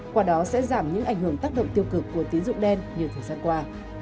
quả đó sẽ giảm những ảnh hưởng tác động tiêu cực của tín dụng đen như thử sát qua